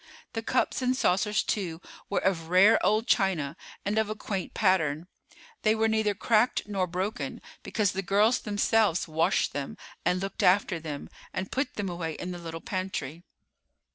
The cups and saucers, too, were of rare old china and of a quaint pattern. They were neither cracked nor broken, because the girls themselves washed them and looked after them, and put them away in the little pantry.